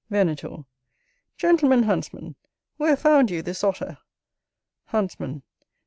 Venator. Gentleman Huntsman, where found you this Otter? Huntsman.